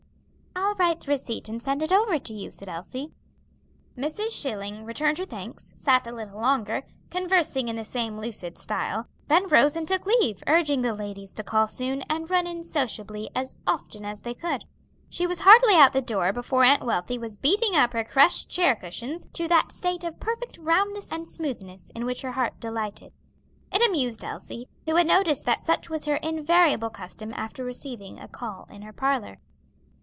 "I'll write the receipt and send it over to you," said Elsie. Mrs. Schilling returned her thanks, sat a little longer, conversing in the same lucid style, then rose and took leave, urging the ladies to call soon, and run in sociably as often as they could. She was hardly out of the door before Aunt Wealthy was beating up her crushed chair cushions to that state of perfect roundness and smoothness in which her heart delighted. It amused Elsie, who had noticed that such was her invariable custom after receiving a call in her parlor.